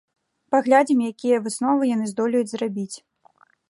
Паглядзім, якія высновы яны здолеюць зрабіць.